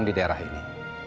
di daerah ini